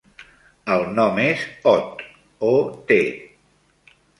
El nom és Ot: o, te.